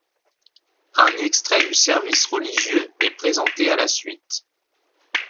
Un extrait de service religieux est présenté à la suite.